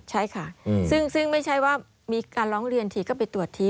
ใช่ค่ะซึ่งไม่ใช่ว่ามีการร้องเรียนทีก็ไปตรวจที